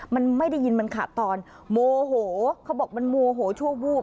มันไม่ได้ยินมันขาดตอนโมโหเขาบอกมันโมโหชั่ววูบ